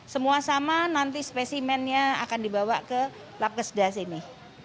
semua sama nanti spesimennya akan dibawa ke lab kesedah sini